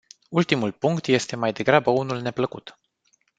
Ultimul punct este mai degrabă unul neplăcut.